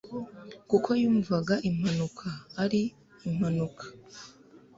kuko yumvaga impanuka ari impanuka.